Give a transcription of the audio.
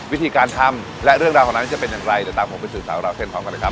วิธีการทำและเรื่องราวของนั้นจะเป็นยังไงเดี๋ยวตามผมไปสื่อสารของเราเช่นของกันนะครับ